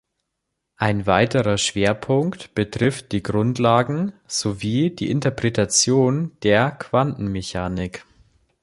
Ein weiterer Schwerpunkt betrifft die Grundlagen sowie die Interpretation der Quantenmechanik.